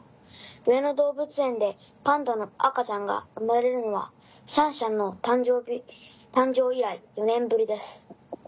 上野動物園でパンダの赤ちゃんが生まれるのはシャンシャンの誕生以来４年ぶりです」。